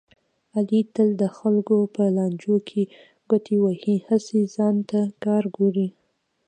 علي تل د خلکو په لانجو کې ګوتې وهي، هسې ځان ته کار ګوري.